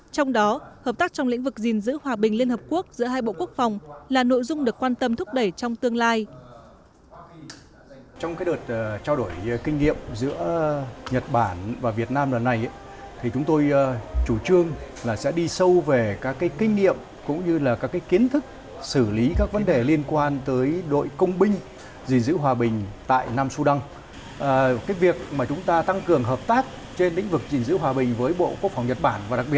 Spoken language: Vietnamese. trong đó hợp tác trong lĩnh vực gìn giữ hòa bình liên hợp quốc giữa hai bộ quốc phòng là nội dung được quan tâm thúc đẩy trong tương lai